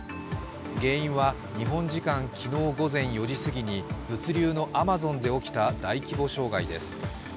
原因は日本時間昨日午前４時過ぎに物流のアマゾンで起きた大規模障害です。